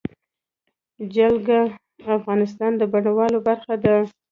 جلګه د افغانستان د بڼوالۍ برخه ده.